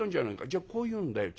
じゃあこう言うんだよ。